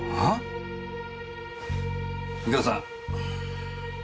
右京さん。